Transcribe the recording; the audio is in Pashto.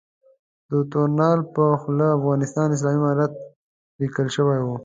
د تونل پر خوله افغانستان اسلامي امارت ليکل شوی و.